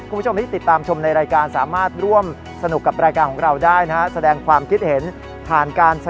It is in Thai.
คุณผู้ชมที่ติดตามชมในรายการสามารถร่วมสนุกกับรายการของเราได้นะ